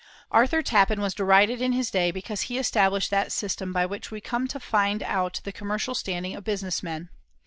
Arthur Tappen was derided in his day because he established that system by which we come to find out the commercial standing of business men.